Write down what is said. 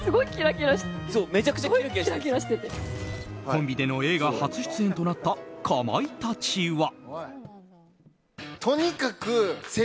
コンビでの映画初出演となったかまいたちは。